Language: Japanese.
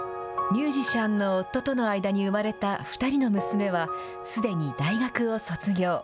ミュージシャンの夫との間に生まれた２人の娘は、すでに大学を卒業。